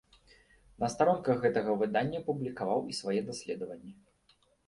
На старонках гэтага выдання публікаваў і свае даследаванні.